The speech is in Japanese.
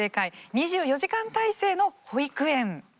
２４時間体制の保育園でした。